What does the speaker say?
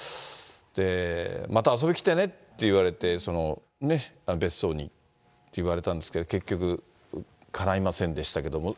また遊びに来てねって言われて、別荘にって言われたんですけど、結局、かないませんでしたけども。